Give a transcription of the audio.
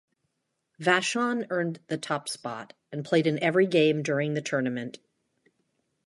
Vachon earned the top spot, and played in every game during the tournament.